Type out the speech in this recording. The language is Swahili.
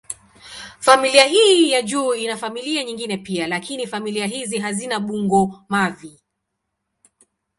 Familia hii ya juu ina familia nyingine pia, lakini familia hizi hazina bungo-mavi.